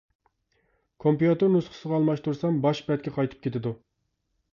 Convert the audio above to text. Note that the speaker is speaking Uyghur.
كومپيۇتېر نۇسخىسىغا ئالماشتۇرسام باش بەتكە قايتىپ كېتىدۇ.